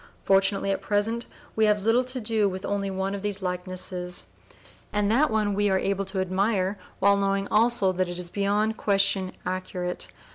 Fortunately at present we have to do with only one of these likenesses, and that one we are able to admire while knowing also that it is beyond question accurate.